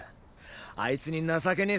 あいつに情けねェ